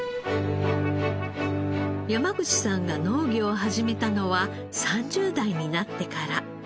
山口さんが農業を始めたのは３０代になってから。